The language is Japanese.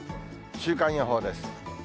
週間予報です。